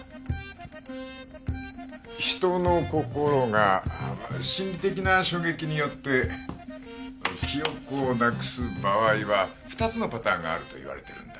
人の心が心的な衝撃によって記憶をなくす場合は２つのパターンがあるといわれてるんだ。